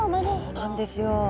そうなんですよ。